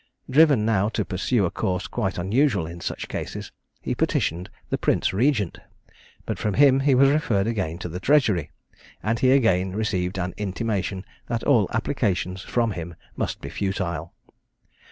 Driven now to pursue a course quite unusual in such cases, he petitioned the Prince Regent, but from him he was referred again to the Treasury, and he again received an intimation that all applications from him must be futile.